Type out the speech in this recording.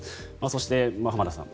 そして、浜田さん